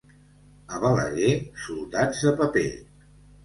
A Balaguer, soldats de paper.